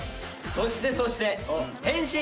そしてそして変身！